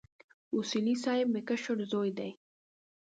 اصولي صیب مې کشر زوی دی.